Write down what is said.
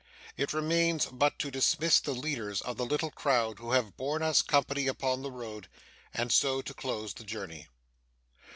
It remains but to dismiss the leaders of the little crowd who have borne us company upon the road, and so to close the journey.